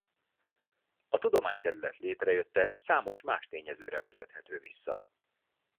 A tudományterület létrejötte számos más tényezőre vezethető vissza.